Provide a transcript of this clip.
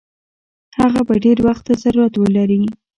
هغه به ډېر وخت ته ضرورت ولري.